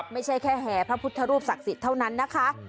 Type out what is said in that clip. ไม่ใช่แค่แห่พระพุทธรูปศักดิ์สิทธิ์เท่านั้นนะคะ